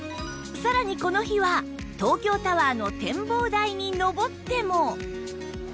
さらにこの日は東京タワーの展望台に上っても